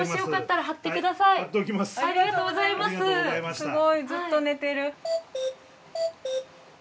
すごいずっと寝てる。